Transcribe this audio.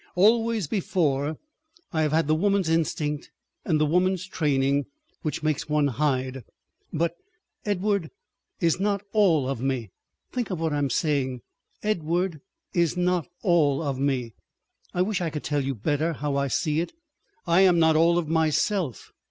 Always before I have had the woman's instinct and the woman's training which makes one hide. But——— Edward is not all of me. Think of what I am saying—Edward is not all of me. ... I wish I could tell you better how I see it. I am not all of myself.